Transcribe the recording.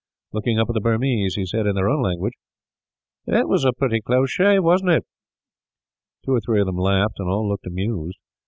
Looking up at the Burmese, he said, in their own language: "That was a pretty close shave, wasn't it?" Two or three of them laughed, and all looked amused.